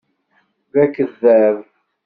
D akeddab.